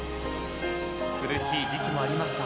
苦しい時期もありました